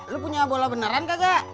lo punya bola beneran kagak